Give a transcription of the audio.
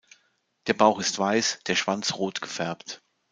Der Bauch ist weiß, der Schwanz rot gefärbt.